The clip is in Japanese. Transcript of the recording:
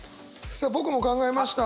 さあ僕も考えました。